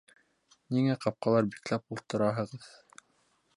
Ниңә ҡапҡалар бикләп ултыраһығыҙ?